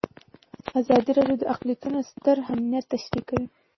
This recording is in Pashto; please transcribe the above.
ازادي راډیو د اقلیتونه ستر اهميت تشریح کړی.